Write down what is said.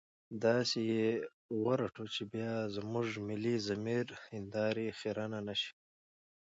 داسې يې ورټو چې بيا زموږ د ملي ضمير هنداره خيرنه نه شي.